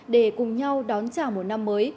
để cùng nhau đón trả một năm mới